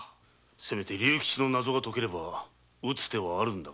せめて竜吉のナゾが解ければ打つ手はあるんだが。